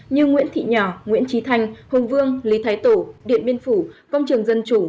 như nguyễn thị nhỏ nguyễn trí thanh hùng vương lý thái tổ điện biên phủ công trường dân chủ